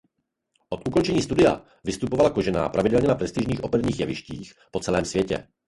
Od ukončení studia vystupovala Kožená pravidelně na prestižních operních jevištích po celém světě.